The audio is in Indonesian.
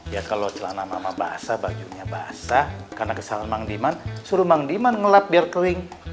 ya kalau celana mama basah bajunya basah karena kesalahan mang demand suruh mang deman ngelap biar kering